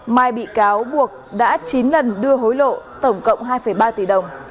mai bị cáo buộc đã chín lần đưa hối lộ tổng cộng hai ba tỷ đồng